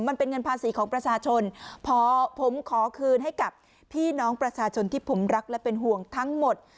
มันเป็นเงินภาษีของประชาชนพอผมขอคืนให้กับพี่น้องประชาชนที่ผมรักและเป็นห่วงทั้งหมด